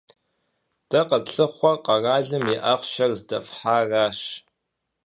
Дэ къэтлъыхъуэр къэралым и ахъшэр здэфхьаращ.